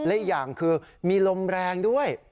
และอีกอย่างคือมีลมแรงด้วย